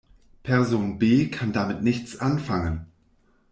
Person B kann damit nichts anfangen.